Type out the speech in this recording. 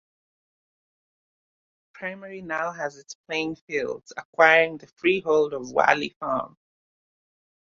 Primary now has its playing fields, acquiring the freehold of Whalley Farm.